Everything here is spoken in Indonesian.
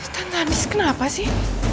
tante anis kenapa sih